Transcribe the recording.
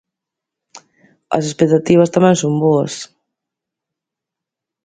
As expectativas tamén son boas.